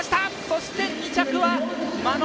そして、２着は眞野。